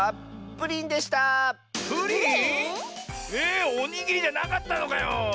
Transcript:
プリン？えおにぎりじゃなかったのかよ。